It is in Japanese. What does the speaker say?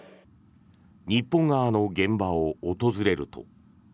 日本側の現場を訪れると。